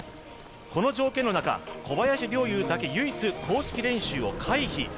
この条件の中、小林陵侑だけ唯一、公式練習を回避。